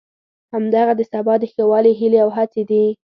همدغه د سبا د ښه والي هیلې او هڅې دي.